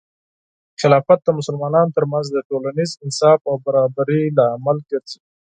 خلافت د مسلمانانو ترمنځ د ټولنیز انصاف او برابري لامل ګرځي.